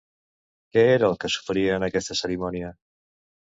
Què era el que s'oferia en aquesta cerimònia?